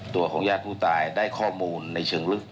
ตัวของญาติผู้ตายได้ข้อมูลในเชิงลึก